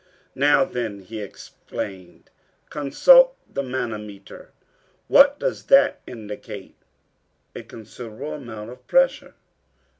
"Now, then," he explained, "consult the manometer. What does that indicate?" "A considerable amount of pressure."